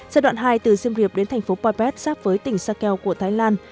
giai đoạn hai từ siem reap đến thành phố poipet sắp với tỉnh sakeo của thái lan